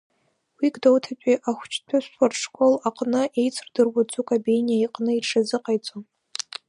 Уи Гәдоуҭатәи ахәыҷтәы спортшкол аҟны еицырдыруа Ӡука Бениа иҟны иҽазыҟаиҵон.